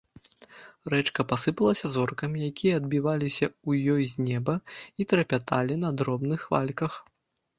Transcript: Рэчка пасыпалася зоркамі, якія адбіваліся ў ёй з неба і трапяталі на дробных хвальках.